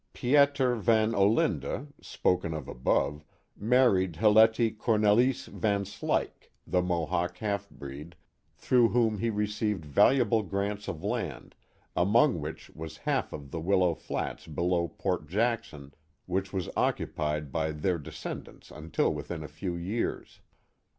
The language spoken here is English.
Pieter Van K^ («»\!l4' A — i li In the Old Town of Amsterdam 159 Olinda, spoken of above, married Hilletie Cornelise Van Slyke, the Mohawk half breed, through whom he received valuable grants of land, among which was half of the Willow Flats below Port Jackson, which was occupied by their descen dants until within a few years.